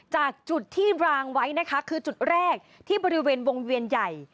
จากจุดที่รางไว้นะคะคือจุดแรกที่บริเวณวงเวียนใหญ่